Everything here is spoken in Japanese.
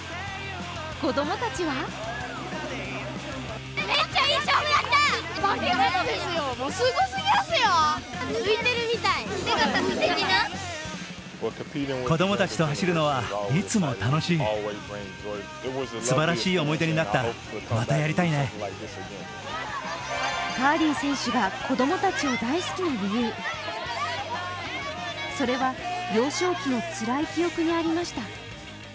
子供たちはカーリー選手が子供たちを大好きな理由それは幼少期のつらい記憶にありました。